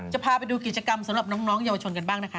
จะพาไปดูกิจกรรมสำหรับน้องเยาวชนกันบ้างนะคะ